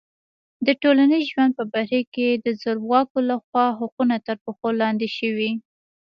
د ټولنیز ژوند په بهیر کې د زورواکو لخوا حقونه تر پښو لاندې شوي.